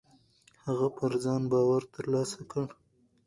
هغه پر ځان باور ترلاسه کړ.